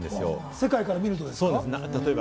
世界から見るとですか？